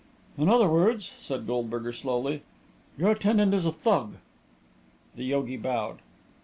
"In other words," said Goldberger, slowly, "your attendant is a Thug." The yogi bowed.